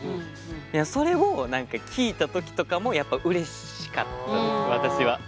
それを聞いた時とかもやっぱうれしかったです私は。